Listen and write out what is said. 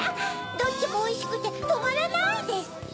「どっちもおいしくてとまらない」ですって。